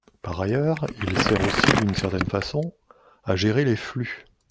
Par ailleurs, il sert aussi, d’une certaine façon, à gérer les flux.